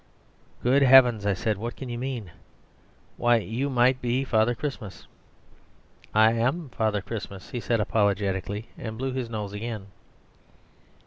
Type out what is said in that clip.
"Good heavens!" I said. "What can you mean? Why, you might be Father Christmas." "I am Father Christmas," he said apologetically, and blew his nose again.